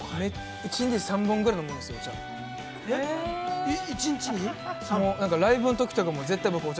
◆１日３本ぐらい飲むんですよ、お茶。